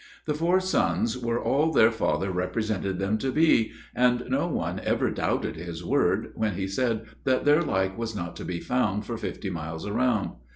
The four sons were all their father represented them to be, and no one ever doubted his word, when he said that their like was not to be found for fifty miles around.